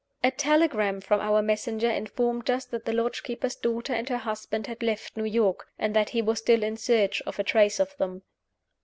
A telegram from our messenger informed us that the lodge keeper's daughter and her husband had left New York, and that he was still in search of a trace of them.